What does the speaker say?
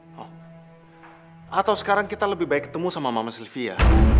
atau sekarang kita lebih baik ketemu sama mama sylvia